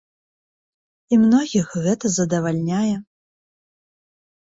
І многіх гэта задавальняе.